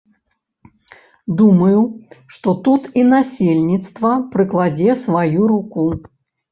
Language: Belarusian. Думаю, што тут і насельніцтва прыкладзе сваю руку.